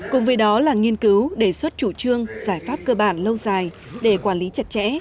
cùng với đó là nghiên cứu đề xuất chủ trương giải pháp cơ bản lâu dài để quản lý chặt chẽ